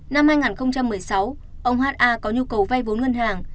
năm hai nghìn một mươi sáu ông ha có nhu cầu vay vốn ngân hàng